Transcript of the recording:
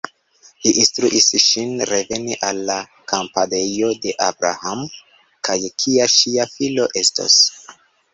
Li instruis ŝin reveni al la kampadejo de Abram, kaj kia ŝia filo estos.